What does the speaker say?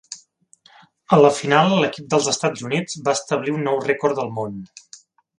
A la final l'equip dels Estats Units va establir un nou rècord del món.